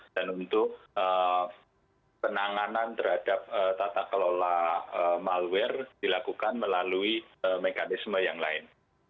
dan untuk penanganan terhadap tata kelola malware dilakukan melalui mekanisme yang lain